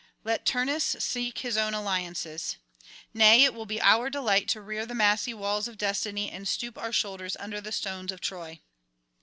Let Turnus seek his own alliances. Nay, [130 163]it will be our delight to rear the massy walls of destiny and stoop our shoulders under the stones of Troy.'